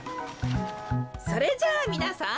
それじゃあみなさん